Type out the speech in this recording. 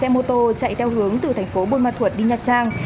bộ chạy theo hướng từ thành phố bùi ma thuật đi nhật trang